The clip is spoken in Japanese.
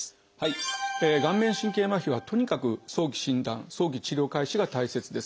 顔面神経麻痺はとにかく早期診断早期治療開始が大切です。